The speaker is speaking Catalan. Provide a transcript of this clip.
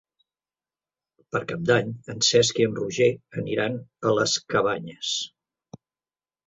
Per Cap d'Any en Cesc i en Roger aniran a les Cabanyes.